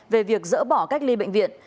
về việc dỡ bỏ cách ly bệnh viện